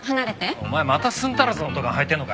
お前また寸足らずのドカンはいてんのか。